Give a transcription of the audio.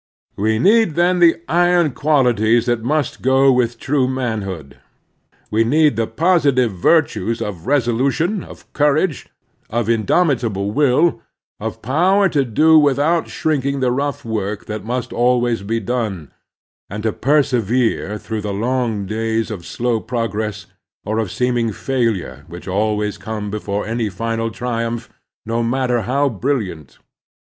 We need then the iron qualities that must go with true manhood. We need the positive virtues of resolution, of courage, of indomitable will, of power to do without shrinking the rough work that must always be done, and to persevere through the long days of slow progress or of seeming failure which always come before any final triumph, no matter how brilliant.